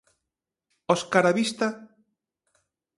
Óscar á vista?